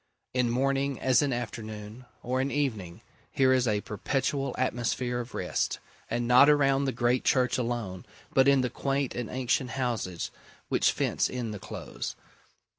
In morning, as in afternoon, or in evening, here is a perpetual atmosphere of rest; and not around the great church alone, but in the quaint and ancient houses which fence in the Close.